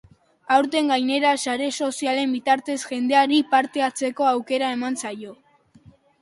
Aurten gainera, sare sozialen bitartez, jendeari partehartzeko aukera emango zaio.